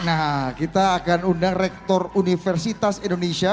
nah kita akan undang rektor universitas indonesia